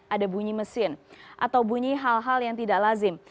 ada bunyi mesin atau bunyi hal hal yang tidak lazim